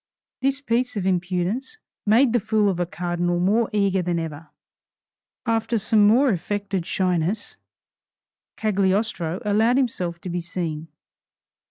This piece of impudence made the fool of a cardinal more eager than ever. After some more affected shyness, Cagliostro allowed himself to be seen.